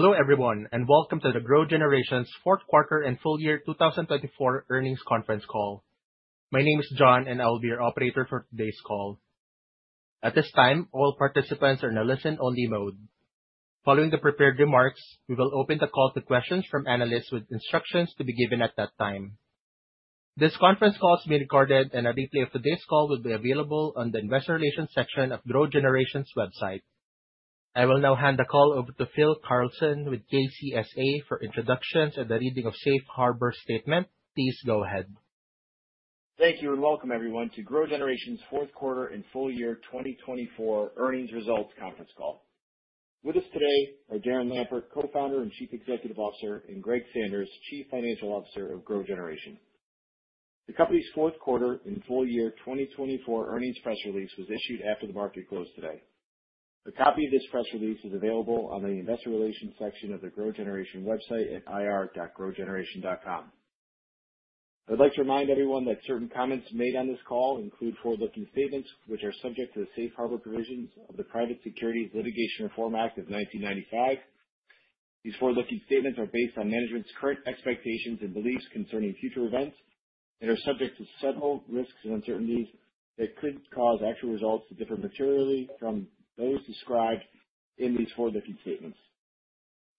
Hello everyone, and welcome to GrowGeneration's 4th Quarter and Full Year 2024 Earnings Conference Call. My name is John, and I will be your operator for today's call. At this time, all participants are in a listen-only mode. Following the prepared remarks, we will open the call to questions from analysts with instructions to be given at that time. This conference call is being recorded, and a replay of today's call will be available on the Investor Relations section of GrowGeneration's website. I will now hand the call over to Phil Carlson with KCSA for introductions and the reading of Safe Harbor statement. Please go ahead. Thank you and welcome everyone to GrowGeneration's 4th Quarter and Full Year 2024 Earnings Results Conference Call. With us today are Darren Lampert, Co-Founder and Chief Executive Officer, and Greg Sanders, Chief Financial Officer of GrowGeneration. The company's 4th Quarter and Full Year 2024 Earnings Press Release was issued after the market closed today. A copy of this press release is available on the Investor Relations section of the GrowGeneration website at ir.growgeneration.com. I would like to remind everyone that certain comments made on this call include forward-looking statements which are subject to the Safe Harbor provisions of the Private Securities Litigation Reform Act of 1995. These forward-looking statements are based on management's current expectations and beliefs concerning future events and are subject to several risks and uncertainties that could cause actual results to differ materially from those described in these forward-looking statements.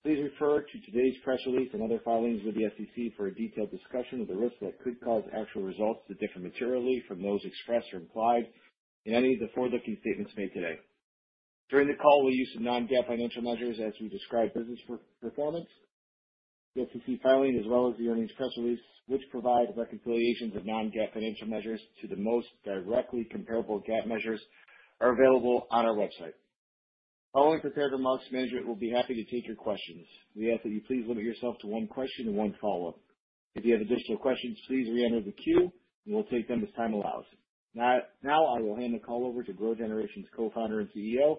Please refer to today's press release and other filings with the SEC for a detailed discussion of the risks that could cause actual results to differ materially from those expressed or implied in any of the forward-looking statements made today. During the call, we'll use some non-GAAP financial measures as we describe business performance. The SEC filing, as well as the earnings press release, which provide reconciliations of non-GAAP financial measures to the most directly comparable GAAP measures, are available on our website. Following prepared remarks, management will be happy to take your questions. We ask that you please limit yourself to one question and one follow-up. If you have additional questions, please re-enter the queue, and we'll take them as time allows. Now, I will hand the call over to GrowGeneration's Co-Founder and CEO,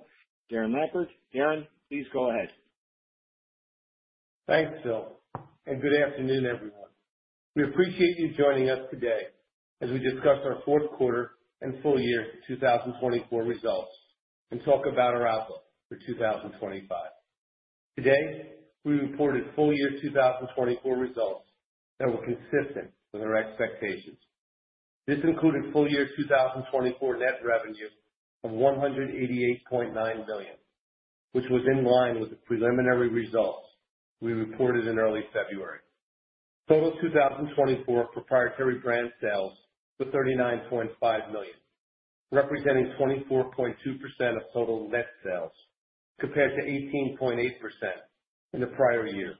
Darren Lampert. Darren, please go ahead. Thanks, Phil. Good afternoon, everyone. We appreciate you joining us today as we discuss our fourth quarter and full year 2024 results and talk about our outlook for 2025. Today, we reported full year 2024 results that were consistent with our expectations. This included full year 2024 net revenue of $188.9 million, which was in line with the preliminary results we reported in early February. Total 2024 proprietary brand sales were $39.5 million, representing 24.2% of total net sales, compared to 18.8% in the prior year.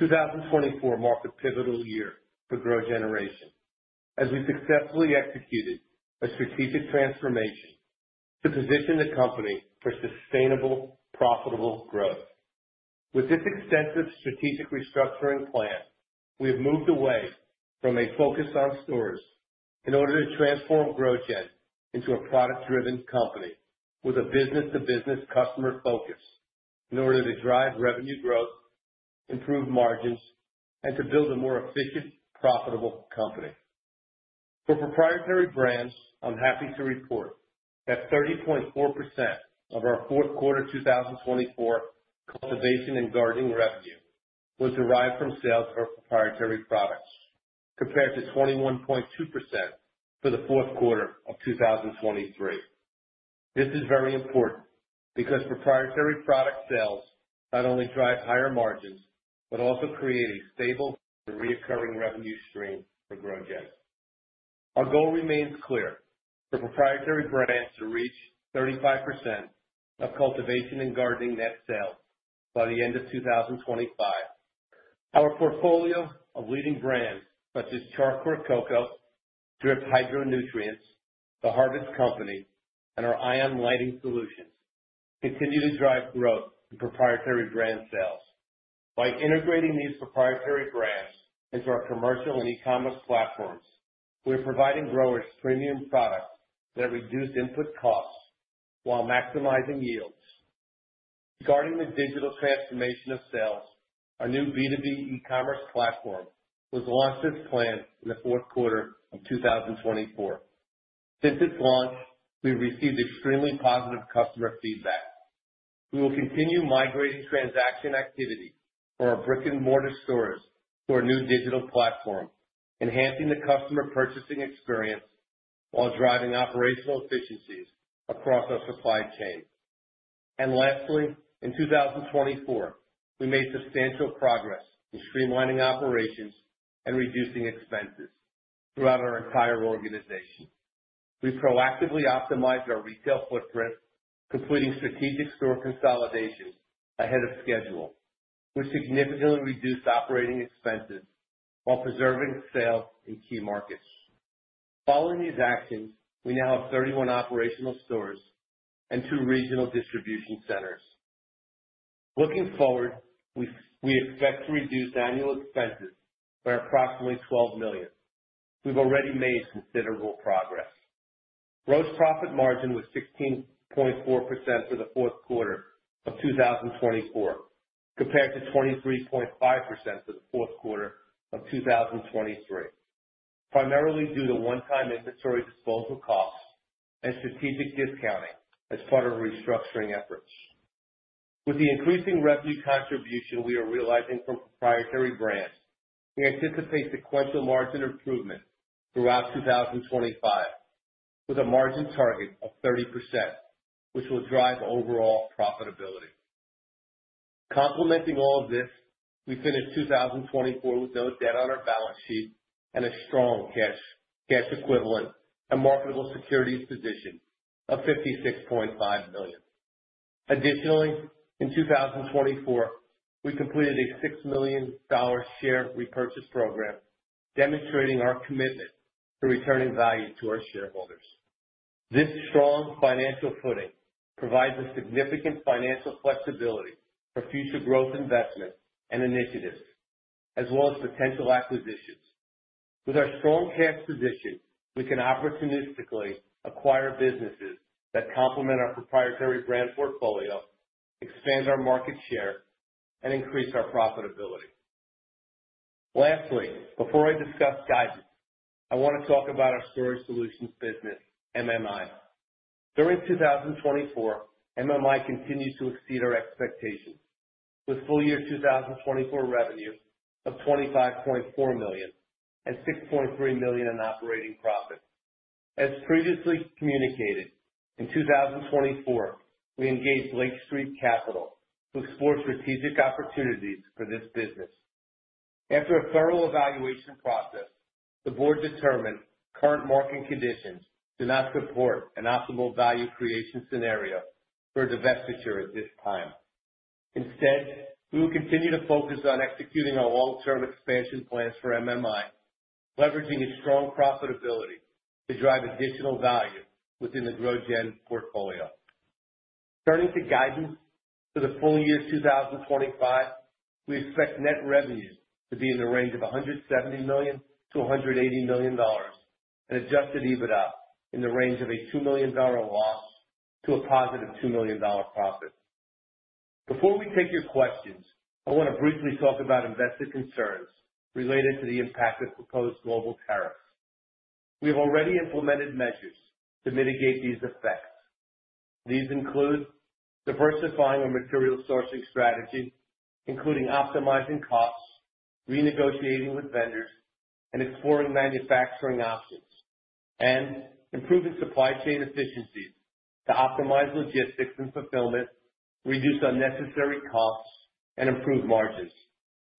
2024 marked a pivotal year for GrowGeneration as we successfully executed a strategic transformation to position the company for sustainable, profitable growth. With this extensive strategic restructuring plan, we have moved away from a focus on stores in order to transform GrowGeneration into a product-driven company with a business-to-business customer focus in order to drive revenue growth, improve margins, and to build a more efficient, profitable company. For proprietary brands, I'm happy to report that 30.4% of our fourth quarter 2024 cultivation and gardening revenue was derived from sales of proprietary products, compared to 21.2% for the fourth quarter of 2023. This is very important because proprietary product sales not only drive higher margins but also create a stable and recurring revenue stream for GrowGeneration. Our goal remains clear: for proprietary brands to reach 35% of cultivation and gardening net sales by the end of 2025. Our portfolio of leading brands such as Char Coir, Drip Hydro Nutrients, The Harvest Company, and our Ion Lighting Solutions continue to drive growth in proprietary brand sales. By integrating these proprietary brands into our commercial and e-commerce platforms, we are providing growers premium products that reduce input costs while maximizing yields. Regarding the digital transformation of sales, our new B2B e-commerce platform was launched as planned in the fourth quarter of 2024. Since its launch, we've received extremely positive customer feedback. We will continue migrating transaction activity from our brick-and-mortar stores to our new digital platform, enhancing the customer purchasing experience while driving operational efficiencies across our supply chain. Lastly, in 2024, we made substantial progress in streamlining operations and reducing expenses throughout our entire organization. We proactively optimized our retail footprint, completing strategic store consolidation ahead of schedule, which significantly reduced operating expenses while preserving sales in key markets. Following these actions, we now have 31 operational stores and two regional distribution centers. Looking forward, we expect to reduce annual expenses by approximately $12 million. We've already made considerable progress. Gross profit margin was 16.4% for the fourth quarter of 2024, compared to 23.5% for the fourth quarter of 2023, primarily due to one-time inventory disposal costs and strategic discounting as part of restructuring efforts. With the increasing revenue contribution we are realizing from proprietary brands, we anticipate sequential margin improvement throughout 2025, with a margin target of 30%, which will drive overall profitability. Complementing all of this, we finished 2024 with no debt on our balance sheet and a strong cash equivalent and marketable securities position of $56.5 million. Additionally, in 2024, we completed a $6 million share repurchase program, demonstrating our commitment to returning value to our shareholders. This strong financial footing provides us significant financial flexibility for future growth investments and initiatives, as well as potential acquisitions. With our strong cash position, we can opportunistically acquire businesses that complement our proprietary brand portfolio, expand our market share, and increase our profitability. Lastly, before I discuss guidance, I want to talk about our storage solutions business, MMI. During 2024, MMI continues to exceed our expectations, with full year 2024 revenue of $25.4 million and $6.3 million in operating profit. As previously communicated, in 2024, we engaged Lake Street Capital to explore strategic opportunities for this business. After a thorough evaluation process, the board determined current market conditions do not support an optimal value creation scenario for a divestiture at this time. Instead, we will continue to focus on executing our long-term expansion plans for MMI, leveraging its strong profitability to drive additional value within the GrowGen portfolio. Turning to guidance for the full year 2025, we expect net revenue to be in the range of $170 million-$180 million and adjusted EBITDA in the range of a $2 million loss to a positive $2 million profit. Before we take your questions, I want to briefly talk about investor concerns related to the impact of proposed global tariffs. We have already implemented measures to mitigate these effects. These include diversifying our material sourcing strategy, including optimizing costs, renegotiating with vendors, and exploring manufacturing options, and improving supply chain efficiencies to optimize logistics and fulfillment, reduce unnecessary costs, and improve margins,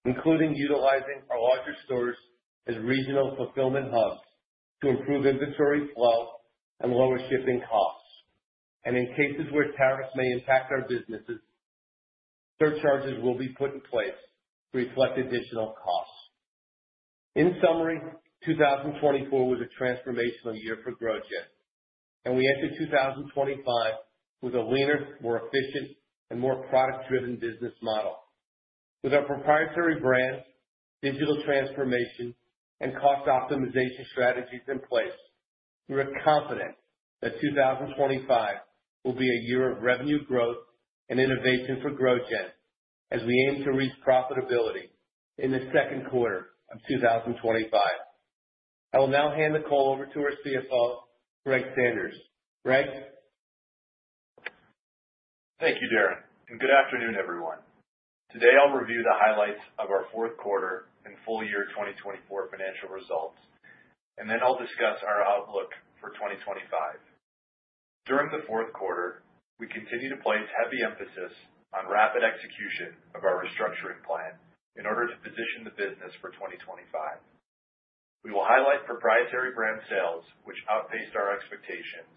including utilizing our larger stores as regional fulfillment hubs to improve inventory flow and lower shipping costs. In cases where tariffs may impact our businesses, surcharges will be put in place to reflect additional costs. In summary, 2024 was a transformational year for GrowGen, and we entered 2025 with a leaner, more efficient, and more product-driven business model. With our proprietary brand, digital transformation, and cost optimization strategies in place, we are confident that 2025 will be a year of revenue growth and innovation for GrowGen, as we aim to reach profitability in the 2nd Quarter of 2025. I will now hand the call over to our CFO, Greg Sanders. Greg? Thank you, Darren. Good afternoon, everyone. Today, I'll review the highlights of our fourth quarter and full year 2024 financial results, and then I'll discuss our outlook for 2025. During the fourth quarter, we continue to place heavy emphasis on rapid execution of our restructuring plan in order to position the business for 2025. We will highlight proprietary brand sales, which outpaced our expectations;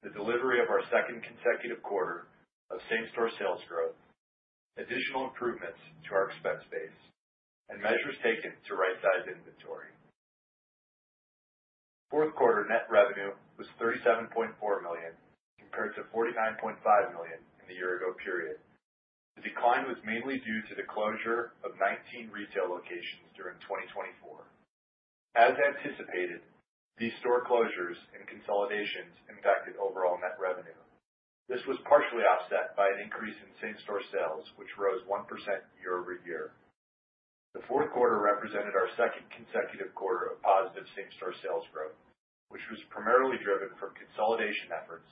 the delivery of our second consecutive quarter of same-store sales growth; additional improvements to our expense base; and measures taken to right-size inventory. Fourth quarter net revenue was $37.4 million, compared to $49.5 million in the year-ago period. The decline was mainly due to the closure of 19 retail locations during 2024. As anticipated, these store closures and consolidations impacted overall net revenue. This was partially offset by an increase in same-store sales, which rose 1% year-over-year. The fourth quarter represented our second consecutive quarter of positive same-store sales growth, which was primarily driven from consolidation efforts,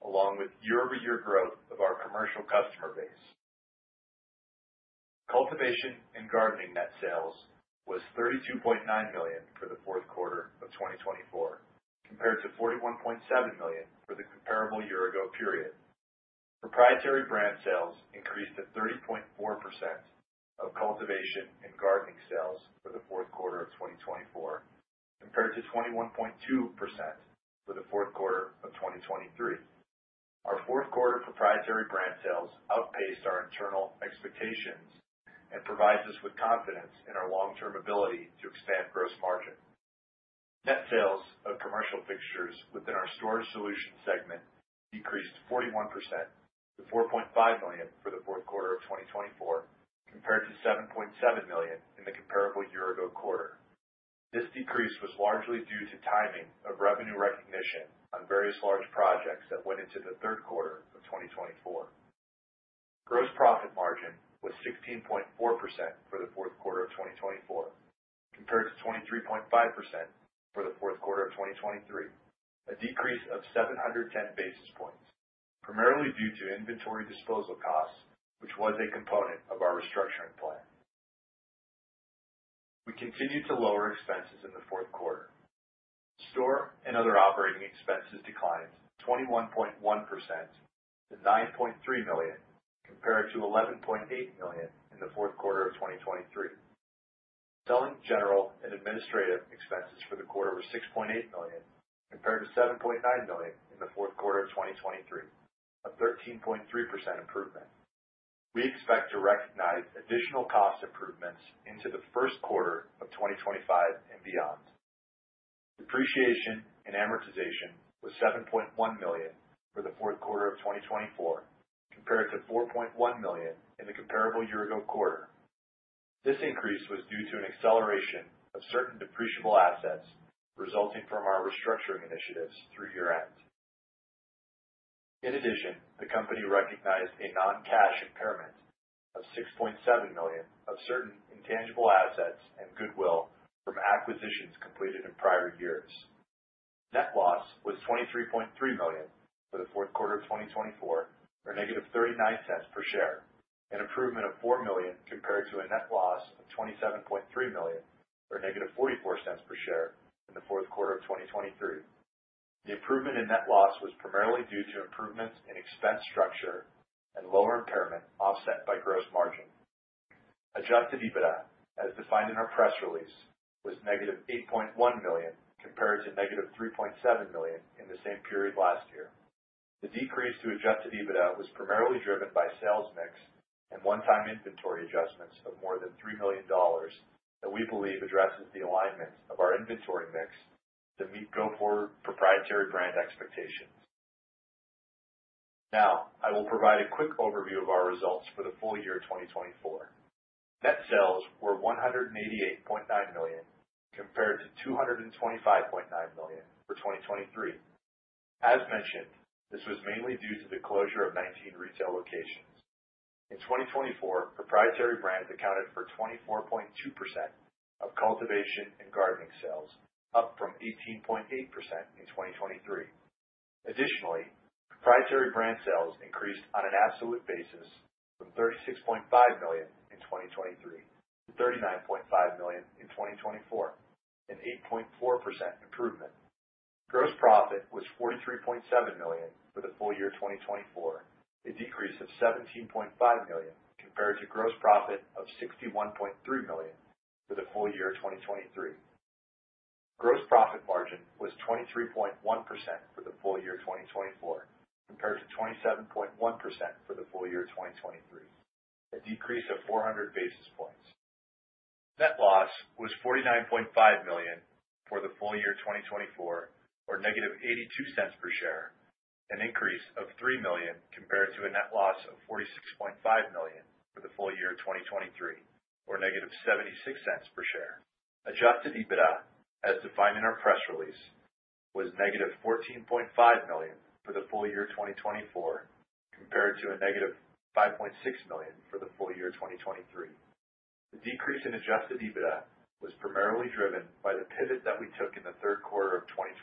along with year-over-year growth of our commercial customer base. Cultivation and gardening net sales was $32.9 million for the fourth quarter of 2024, compared to $41.7 million for the comparable year-ago period. Proprietary brand sales increased to 30.4% of cultivation and gardening sales for the fourth quarter of 2024, compared to 21.2% for the fourth quarter of 2023. Our fourth quarter proprietary brand sales outpaced our internal expectations and provide us with confidence in our long-term ability to expand gross margin. Net sales of commercial fixtures within our store solution segment decreased 41% to $4.5 million for the fourth quarter of 2024, compared to $7.7 million in the comparable year-ago quarter. This decrease was largely due to timing of revenue recognition on various large projects that went into the third quarter of 2024. Gross profit margin was 16.4% for the fourth quarter of 2024, compared to 23.5% for the fourth quarter of 2023, a decrease of 710 basis points, primarily due to inventory disposal costs, which was a component of our restructuring plan. We continued to lower expenses in the fourth quarter. Store and other operating expenses declined 21.1% to $9.3 million, compared to $11.8 million in the fourth quarter of 2023. Selling, general and administrative expenses for the quarter were $6.8 million, compared to $7.9 million in the fourth quarter of 2023, a 13.3% improvement. We expect to recognize additional cost improvements into the first quarter of 2025 and beyond. Depreciation and amortization was $7.1 million for the fourth quarter of 2024, compared to $4.1 million in the comparable year-ago quarter. This increase was due to an acceleration of certain depreciable assets resulting from our restructuring initiatives through year-end. In addition, the company recognized a non-cash impairment of $6.7 million of certain intangible assets and goodwill from acquisitions completed in prior years. Net loss was $23.3 million for the fourth quarter of 2024, or negative $0.39 per share, an improvement of $4 million compared to a net loss of $27.3 million, or negative $0.44 per share in the fourth quarter of 2023. The improvement in net loss was primarily due to improvements in expense structure and lower impairment offset by gross margin. Adjusted EBITDA, as defined in our press release, was negative $8.1 million compared to negative $3.7 million in the same period last year. The decrease to adjusted EBITDA was primarily driven by sales mix and one-time inventory adjustments of more than $3 million that we believe addresses the alignment of our inventory mix to meet go-forward proprietary brand expectations. Now, I will provide a quick overview of our results for the full year 2024. Net sales were $188.9 million compared to $225.9 million for 2023. As mentioned, this was mainly due to the closure of 19 retail locations. In 2024, proprietary brands accounted for 24.2% of cultivation and gardening sales, up from 18.8% in 2023. Additionally, proprietary brand sales increased on an absolute basis from $36.5 million in 2023 to $39.5 million in 2024, an 8.4% improvement. Gross profit was $43.7 million for the full year 2024, a decrease of $17.5 million compared to gross profit of $61.3 million for the full year 2023. Gross profit margin was 23.1% for the full year 2024, compared to 27.1% for the full year 2023, a decrease of 400 basis points. Net loss was $49.5 million for the full year 2024, or negative $0.82 per share, an increase of $3 million compared to a net loss of $46.5 million for the full year 2023, or negative $0.76 per share. Adjusted EBITDA, as defined in our press release, was negative $14.5 million for the full year 2024, compared to a negative $5.6 million for the full year 2023. The decrease in adjusted EBITDA was primarily driven by the pivot that we took in the third quarter of 2024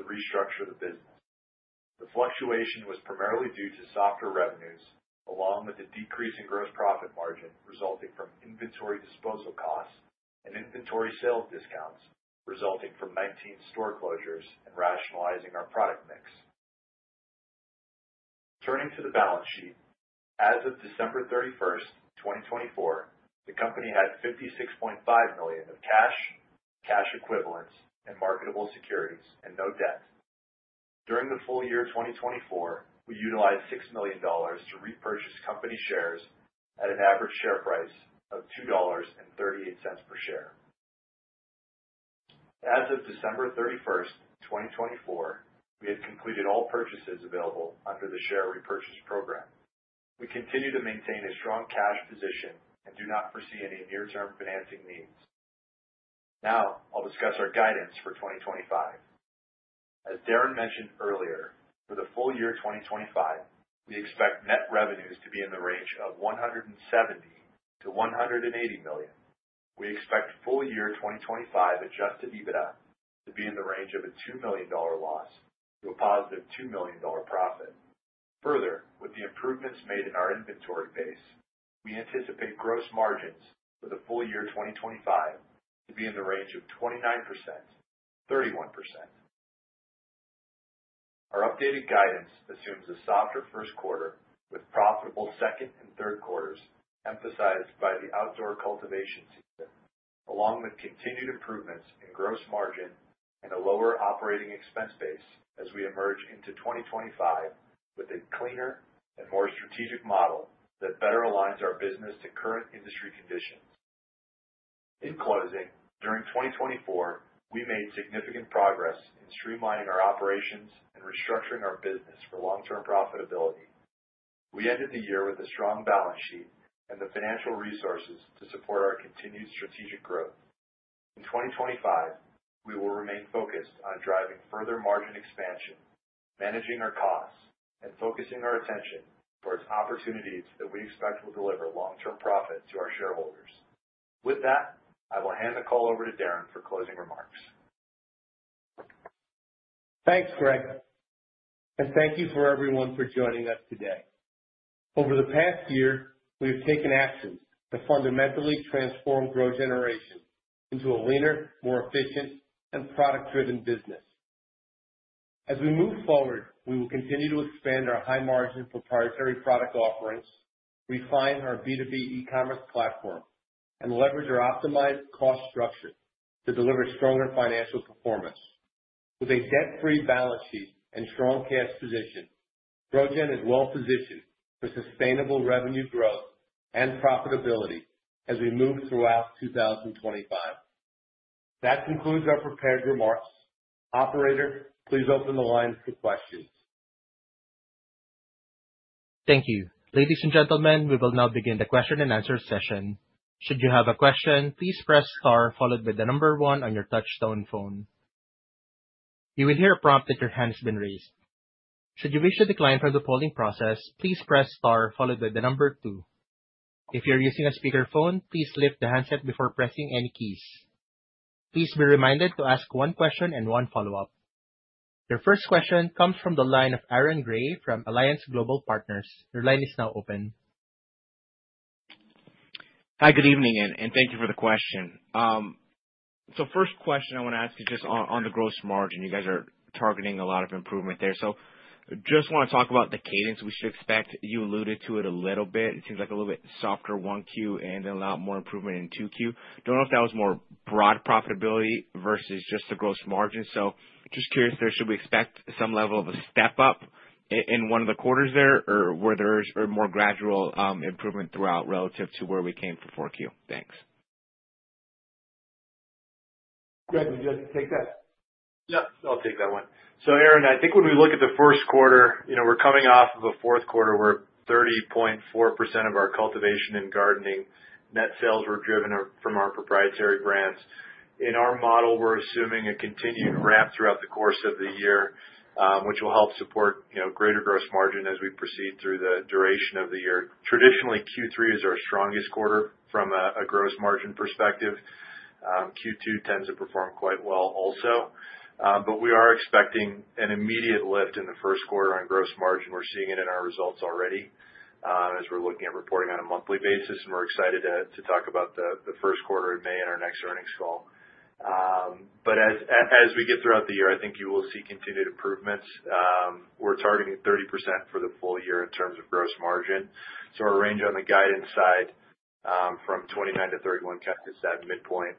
to restructure the business. The fluctuation was primarily due to softer revenues, along with a decrease in gross profit margin resulting from inventory disposal costs and inventory sales discounts resulting from 19 store closures and rationalizing our product mix. Turning to the balance sheet, as of December 31, 2024, the company had $56.5 million of cash, cash equivalents, and marketable securities, and no debt. During the Full Year 2024, we utilized $6 million to repurchase company shares at an average share price of $2.38 per share. As of December 31, 2024, we had completed all purchases available under the share repurchase program. We continue to maintain a strong cash position and do not foresee any near-term financing needs. Now, I'll discuss our guidance for 2025. As Darren mentioned earlier, for the Full Year 2025, we expect net revenues to be in the range of $170 million-$180 million. We expect Full Year 2025 adjusted EBITDA to be in the range of a $2 million loss to a positive $2 million profit. Further, with the improvements made in our inventory base, we anticipate gross margins for the full year 2025 to be in the range of 29%-31%. Our updated guidance assumes a softer first quarter with profitable second and third quarters emphasized by the outdoor cultivation season, along with continued improvements in gross margin and a lower operating expense base as we emerge into 2025 with a cleaner and more strategic model that better aligns our business to current industry conditions. In closing, during 2024, we made significant progress in streamlining our operations and restructuring our business for long-term profitability. We ended the year with a strong balance sheet and the financial resources to support our continued strategic growth. In 2025, we will remain focused on driving further margin expansion, managing our costs, and focusing our attention towards opportunities that we expect will deliver long-term profit to our shareholders. With that, I will hand the call over to Darren for closing remarks. Thanks, Greg. Thank you for everyone for joining us today. Over the past year, we have taken actions to fundamentally transform GrowGeneration into a leaner, more efficient, and product-driven business. As we move forward, we will continue to expand our high-margin proprietary product offerings, refine our B2B e-commerce platform, and leverage our optimized cost structure to deliver stronger financial performance. With a debt-free balance sheet and strong cash position, GrowGen is well-positioned for sustainable revenue growth and profitability as we move throughout 2025. That concludes our prepared remarks. Operator, please open the line for questions. Thank you. Ladies and gentlemen, we will now begin the question-and-answer session. Should you have a question, please press star followed by the number one on your touch-tone phone. You will hear a prompt that your hand has been raised. Should you wish to decline from the polling process, please press star followed by the number two. If you're using a speakerphone, please lift the handset before pressing any keys. Please be reminded to ask one question and one follow-up. Your first question comes from the line of Aaron Gray from Alliance Global Partners. Your line is now open. Hi, good evening, and thank you for the question. First question I want to ask is just on the gross margin. You guys are targeting a lot of improvement there. Just want to talk about the cadence we should expect. You alluded to it a little bit. It seems like a little bit softer 1Q and then a lot more improvement in 2Q. I do not know if that was more broad profitability versus just the gross margin. Just curious there, should we expect some level of a step up in one of the quarters there, or more gradual improvement throughout relative to where we came for 4Q? Thanks. Greg, would you like to take that? Yep, I'll take that one. Aaron, I think when we look at the first quarter, we're coming off of a fourth quarter where 30.4% of our cultivation and gardening net sales were driven from our proprietary brands. In our model, we're assuming a continued ramp throughout the course of the year, which will help support greater gross margin as we proceed through the duration of the year. Traditionally, Q3 is our strongest quarter from a gross margin perspective. Q2 tends to perform quite well also. We are expecting an immediate lift in the first quarter on gross margin. We're seeing it in our results already as we're looking at reporting on a monthly basis, and we're excited to talk about the first quarter in May in our next earnings call. As we get throughout the year, I think you will see continued improvements. We're targeting 30% for the full year in terms of gross margin. Our range on the guidance side from 29-31% kind of gets that midpoint.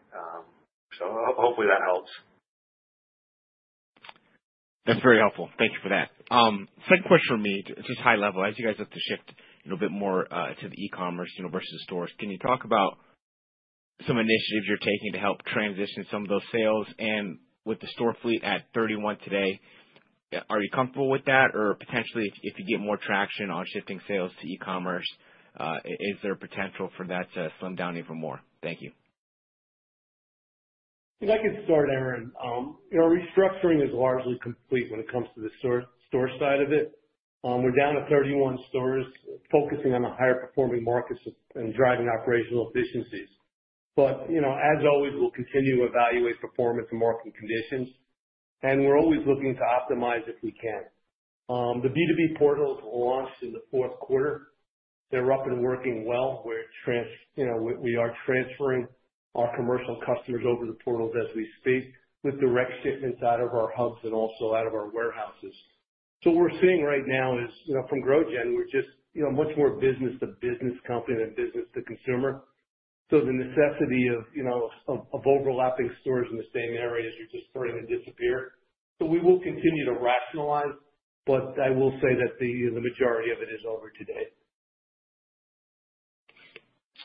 Hopefully that helps. That's very helpful. Thank you for that. Second question for me, just high level, as you guys have to shift a bit more to the e-commerce versus stores, can you talk about some initiatives you're taking to help transition some of those sales? With the store fleet at 31 today, are you comfortable with that? Or potentially, if you get more traction on shifting sales to e-commerce, is there a potential for that to slim down even more? Thank you. If I could start, Aaron. Our restructuring is largely complete when it comes to the store side of it. We're down to 31 stores, focusing on the higher-performing markets and driving operational efficiencies. As always, we'll continue to evaluate performance and market conditions. We're always looking to optimize if we can. The B2B portals were launched in the fourth quarter. They're up and working well. We are transferring our commercial customers over to the portals as we speak with direct shipments out of our hubs and also out of our warehouses. What we're seeing right now is from GrowGeneration, we're just much more business-to-business company than business-to-consumer. The necessity of overlapping stores in the same area is just starting to disappear. We will continue to rationalize, but I will say that the majority of it is over today.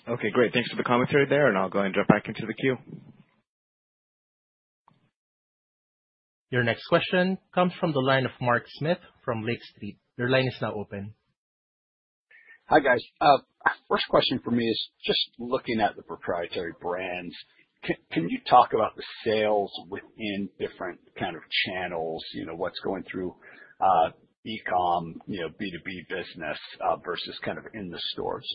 Okay, great. Thanks for the commentary there, and I'll go ahead and jump back into the queue. Your next question comes from the line of Mark Smith from Lake Street. Your line is now open. Hi, guys. First question for me is just looking at the proprietary brands. Can you talk about the sales within different kind of channels? What's going through e-com, B2B business versus kind of in the stores?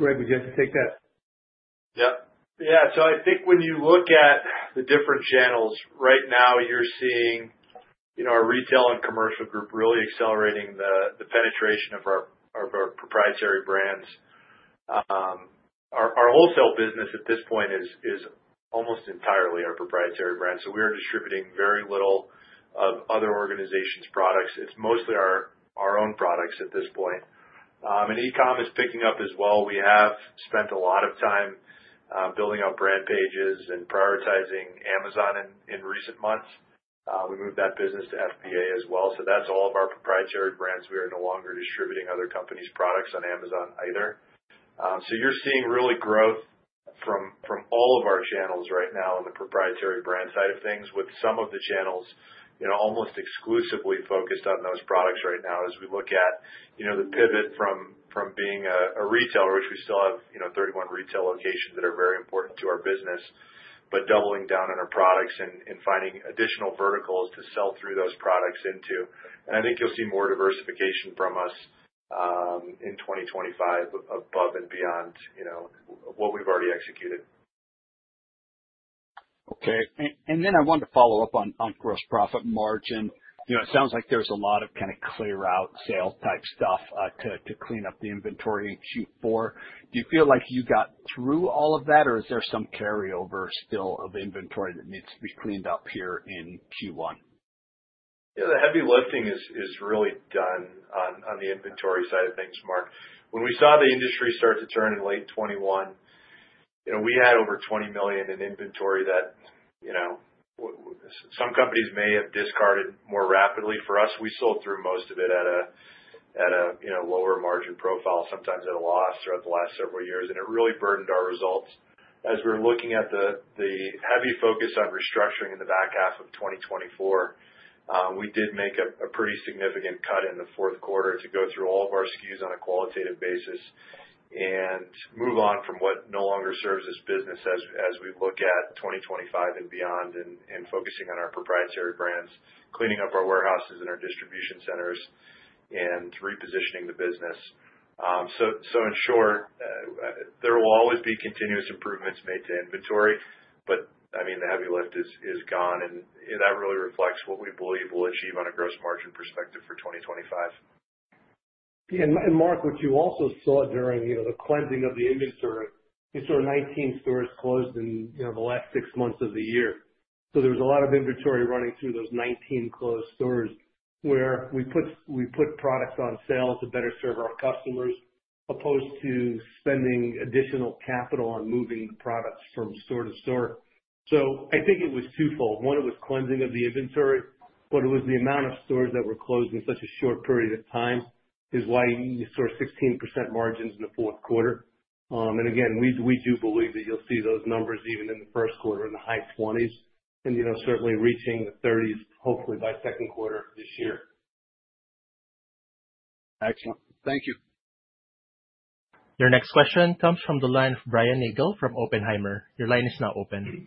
Greg, would you like to take that? Yep. Yeah. I think when you look at the different channels, right now you're seeing our retail and commercial group really accelerating the penetration of our proprietary brands. Our wholesale business at this point is almost entirely our proprietary brand. We are distributing very little of other organizations' products. It's mostly our own products at this point. E-com is picking up as well. We have spent a lot of time building up brand pages and prioritizing Amazon in recent months. We moved that business to FBA as well. That's all of our proprietary brands. We are no longer distributing other companies' products on Amazon either. You're seeing really growth from all of our channels right now on the proprietary brand side of things, with some of the channels almost exclusively focused on those products right now as we look at the pivot from being a retailer, which we still have 31 retail locations that are very important to our business, but doubling down on our products and finding additional verticals to sell through those products into. I think you'll see more diversification from us in 2025 above and beyond what we've already executed. Okay. I wanted to follow up on gross profit margin. It sounds like there's a lot of kind of clear-out sale-type stuff to clean up the inventory in Q4. Do you feel like you got through all of that, or is there some carryover still of inventory that needs to be cleaned up here in Q1? Yeah, the heavy lifting is really done on the inventory side of things, Mark. When we saw the industry start to turn in late 2021, we had over $20 million in inventory that some companies may have discarded more rapidly. For us, we sold through most of it at a lower margin profile, sometimes at a loss throughout the last several years. It really burdened our results. As we're looking at the heavy focus on restructuring in the back half of 2024, we did make a pretty significant cut in the fourth quarter to go through all of our SKUs on a qualitative basis and move on from what no longer serves as business as we look at 2025 and beyond and focusing on our proprietary brands, cleaning up our warehouses and our distribution centers, and repositioning the business. In short, there will always be continuous improvements made to inventory, but I mean, the heavy lift is gone. That really reflects what we believe we'll achieve on a gross margin perspective for 2025. Mark, what you also saw during the cleansing of the inventory, these were 19 stores closed in the last six months of the year. There was a lot of inventory running through those 19 closed stores where we put products on sale to better serve our customers as opposed to spending additional capital on moving products from store to store. I think it was twofold. One, it was cleansing of the inventory, but it was the amount of stores that were closed in such a short period of time that is why you saw 16% margins in the fourth quarter. Again, we do believe that you'll see those numbers even in the first quarter in the high 20% range and certainly reaching the 30% range hopefully by the second quarter this year. Excellent. Thank you. Your next question comes from the line of Brian Nagel from Oppenheimer. Your line is now open.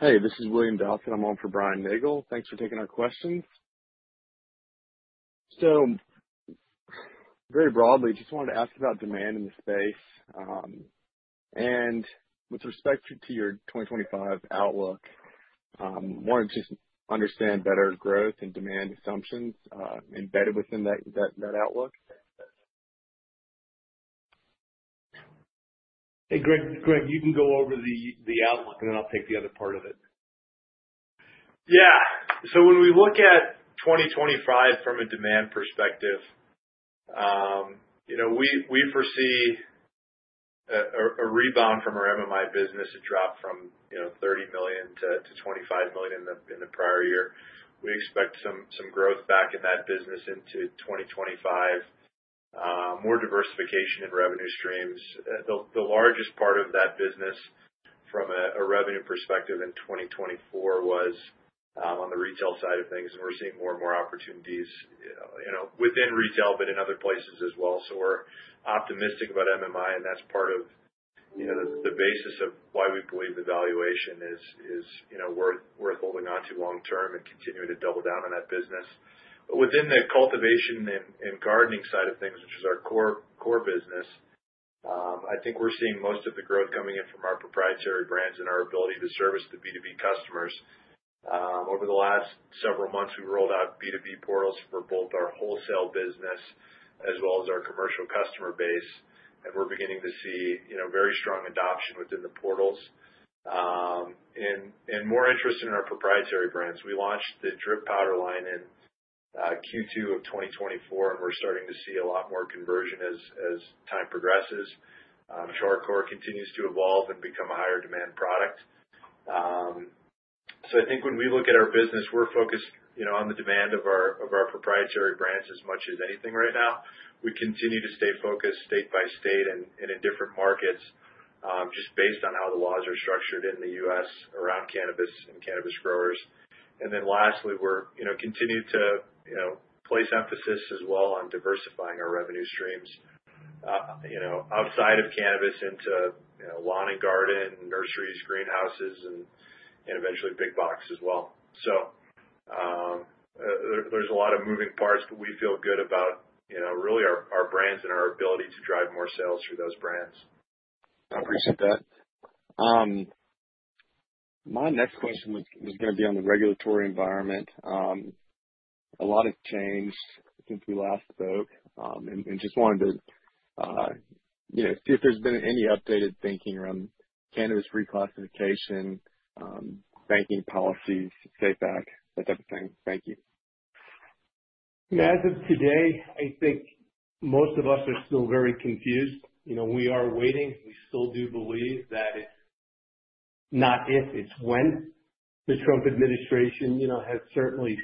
Hey, this is William Dawson. I'm on for Brian Nagel. Thanks for taking our questions. Very broadly, just wanted to ask about demand in the space. With respect to your 2025 outlook, wanted to just understand better growth and demand assumptions embedded within that outlook. Hey, Greg, you can go over the outlook, and then I'll take the other part of it. Yeah. So when we look at 2025 from a demand perspective, we foresee a rebound from our MMI business, a drop from $30 million to $25 million in the prior year. We expect some growth back in that business into 2025, more diversification in revenue streams. The largest part of that business from a revenue perspective in 2024 was on the retail side of things, and we're seeing more and more opportunities within retail, but in other places as well. We're optimistic about MMI, and that's part of the basis of why we believe the valuation is worth holding on to long-term and continuing to double down on that business. Within the cultivation and gardening side of things, which is our core business, I think we're seeing most of the growth coming in from our proprietary brands and our ability to service the B2B customers. Over the last several months, we rolled out B2B portals for both our wholesale business as well as our commercial customer base. We're beginning to see very strong adoption within the portals and more interest in our proprietary brands. We launched the Drip Hydro powder line in Q2 of 2024, and we're starting to see a lot more conversion as time progresses. Char Coir continues to evolve and become a higher-demand product. I think when we look at our business, we're focused on the demand of our proprietary brands as much as anything right now. We continue to stay focused state by state and in different markets just based on how the laws are structured in the U.S. around cannabis and cannabis growers. Lastly, we're continuing to place emphasis as well on diversifying our revenue streams outside of cannabis into lawn and garden, nurseries, greenhouses, and eventually big box as well. There are a lot of moving parts, but we feel good about really our brands and our ability to drive more sales through those brands. I appreciate that. My next question was going to be on the regulatory environment. A lot has changed since we last spoke, and just wanted to see if there's been any updated thinking around cannabis reclassification, banking policies, APEC, that type of thing. Thank you. As of today, I think most of us are still very confused. We are waiting. We still do believe that it's not if, it's when. The Trump administration has certainly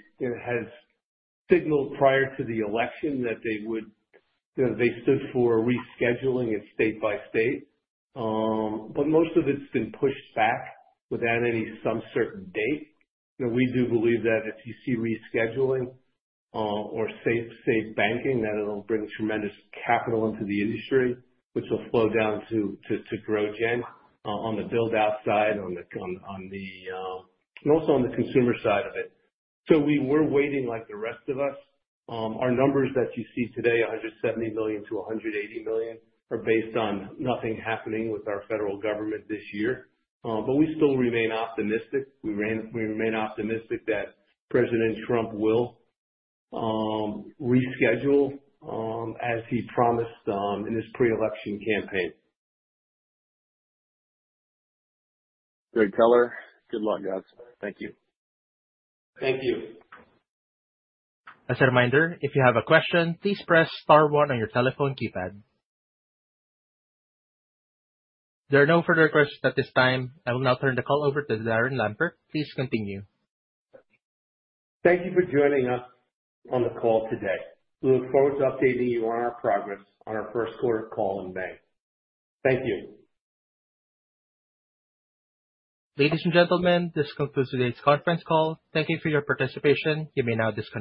signaled prior to the election that they stood for rescheduling it state by state. Most of it's been pushed back without any some certain date. We do believe that if you see rescheduling or safe banking, that it'll bring tremendous capital into the industry, which will slow down to GrowGeneration on the build-out side, and also on the consumer side of it. We are waiting like the rest of us. Our numbers that you see today, $170 million-$180 million, are based on nothing happening with our federal government this year. We still remain optimistic. We remain optimistic that President Trump will reschedule as he promised in his pre-election campaign. Greg Sanders, good luck, guys. Thank you. Thank you. As a reminder, if you have a question, please press star one on your telephone keypad. There are no further questions at this time. I will now turn the call over to Darren Lampert. Please continue. Thank you for joining us on the call today. We look forward to updating you on our progress on our first quarter call in May. Thank you. Ladies and gentlemen, this concludes today's conference call. Thank you for your participation. You may now disconnect.